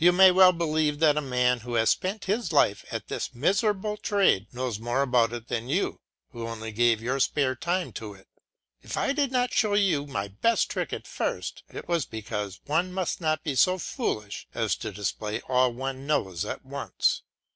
You may well believe that a man who has spent his life at this miserable trade knows more about it than you who only give your spare time to it. If I did not show you my best tricks at first, it was because one must not be so foolish as to display all one knows at once.